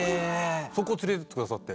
そこ連れてってくださって。